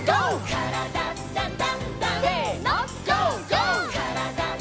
「からだダンダンダン」せのＧＯ！